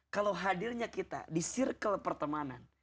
kalau hadirnya kita di circle pertemanan